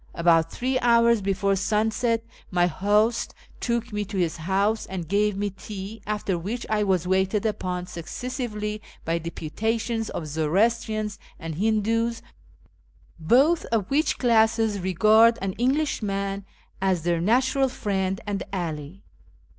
About three hours before sunset my host took me to his house and gave me tea, after which I was waited upon successively by deputations of Zoroastrians and Hindoos, botli of which classes regard an Englishman as their natural friend and ally.